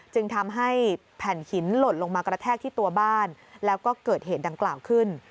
จึงทำให้แผ่นหินหล่นลงมากระแทกที่ตัวบ้านแล้วก็เกิดเหตุดังกล่าวขึ้น